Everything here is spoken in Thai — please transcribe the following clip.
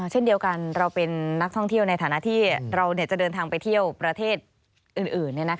เช่นเดียวกันเราเป็นนักท่องเที่ยวในฐานะที่เราจะเดินทางไปเที่ยวประเทศอื่น